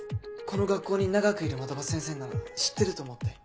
この学校に長くいる的場先生なら知ってると思って。